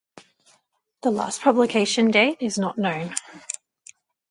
The last publication date is not known.